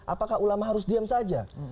apakah ulama harus diam saja